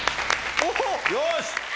よし！